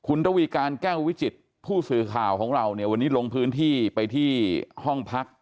คุณระวีการแก้ววิจิตผู้สื่อข่าวของเราเนี่ยวันนี้ลงพื้นที่ไปที่ห้องพัก